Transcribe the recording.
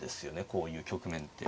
こういう局面って。